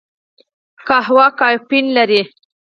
قهوه کافین لري